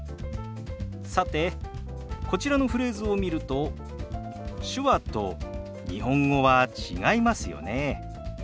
さてこちらのフレーズを見ると手話と日本語は違いますよね。